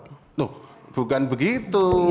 loh bukan begitu